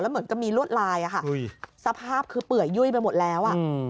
แล้วเหมือนก็มีรวดลายค่ะสภาพคือเปื่อยยุ้ยไปหมดแล้ว